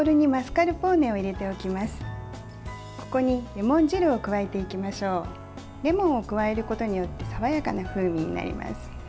レモンを加えることによって爽やかな風味になります。